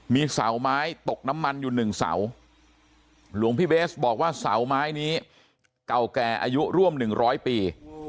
มีเสาไม้ตกน้ำมันอยู่หนึ่งเสาหลวงพี่เบสบอกว่าเสาไม้นี้เก่าแก่อายุร่วม๑๐๐ปี